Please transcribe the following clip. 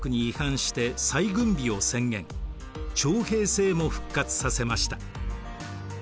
徴兵制も復活させました。